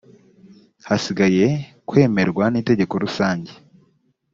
hasigaye kwemerwa n inteko rusange